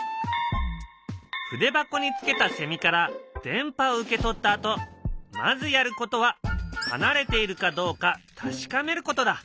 筆箱につけたセミから電波を受け取ったあとまずやることは離れているかどうか確かめることだ。